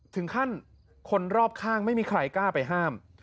ถึงขั้นคนรอบข้างไม่มีใครกล้าไปห้าม